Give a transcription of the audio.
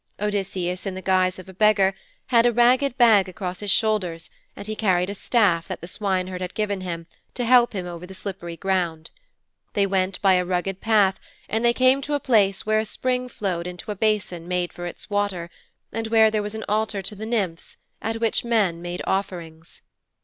Odysseus, in the guise of a beggar, had a ragged bag across his shoulders and he carried a staff that the swineherd had given him to help him over the slippery ground. They went by a rugged path and they came to a place where a spring flowed into a basin made for its water, and where there was an altar to the Nymphs, at which men made offerings.